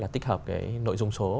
tích hợp cái nội dung số